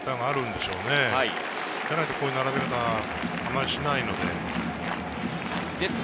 でないとこういう並べ方、あまりしないので。